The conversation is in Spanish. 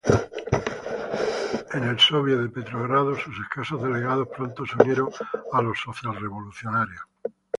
En el Sóviet de Petrogrado sus escasos delegados pronto se unieron a los socialrevolucionarios.